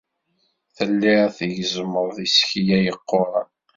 Tellid tgezzmed isekla yeqquren.